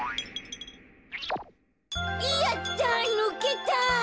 やったぬけた！